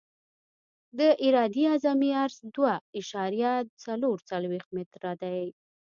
د عرادې اعظمي عرض دوه اعشاریه څلور څلویښت متره دی